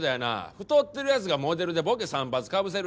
太ってる奴がモデルでボケ３発かぶせる。